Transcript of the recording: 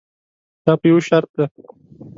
دا په یوه شرط ده.